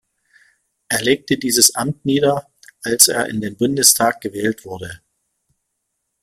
Er legte dieses Amt nieder, als er in den Bundestag gewählt wurde.